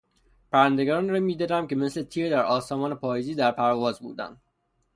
پرندگانی را میدیدم که مثل تیر در آسمان پاییزی در پرواز بودند.